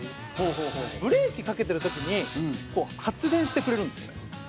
ブレーキかけてる時に発電してくれるんですよね。